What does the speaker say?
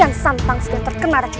kian sentang sudah terkena racimo